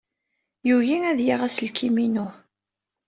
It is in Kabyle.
Yugi ad yaɣ uselkim-inu.